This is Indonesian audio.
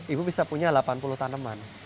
ibu bisa punya delapan puluh tanaman